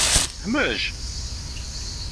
Hmej!